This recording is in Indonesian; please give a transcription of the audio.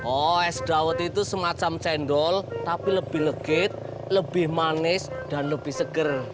oh es dawet itu semacam cendol tapi lebih leget lebih manis dan lebih seger